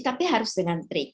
tapi harus dengan trik